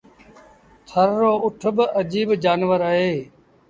ٿر رو اُٺ با اَجيب جآنور اهي۔